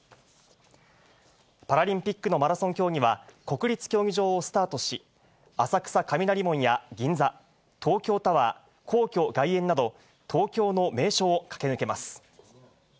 パラリンピックのマラソン競技は、国立競技場をスタートし、浅草・雷門や銀座、東京タワー、皇居外苑など、東京の名所を駆け抜けます。